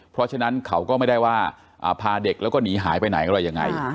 เพราะฉะนั้นเขาก็ไม่ได้ว่าพาเด็กแล้วก็หนีหายไปไหนอะไรยังไง